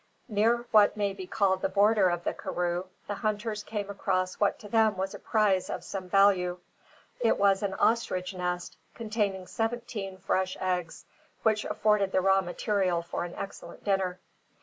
Near what may be called the border of the karroo, the hunters came across what to them was a prize of some value. It was an ostrich nest, containing seventeen fresh eggs, which afforded the raw material for an excellent dinner.